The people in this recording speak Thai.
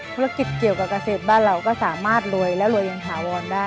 ธุรกิจเกี่ยวกับเกษตรบ้านเราก็สามารถรวยและรวยยังถาวรได้